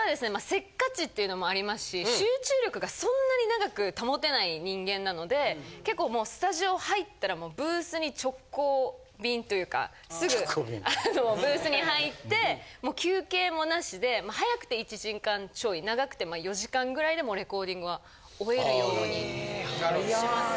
せっかちっていうのもありますし集中力がそんなに長く保てない人間なので結構もうスタジオ入ったらブースに直行便というかすぐブースに入って休憩もなしで早くて１時間ちょい長くて４時間ぐらいでもうレコーディングは終えるようにしますね。